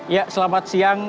ya selamat siang